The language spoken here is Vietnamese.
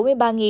chiếm tỷ lệ bốn